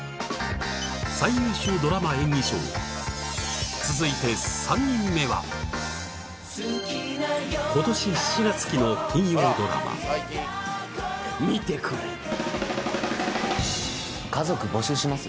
最優秀ドラマ演技賞続いて３人目は今年７月期の金曜ドラマ見てこれ「家族募集します」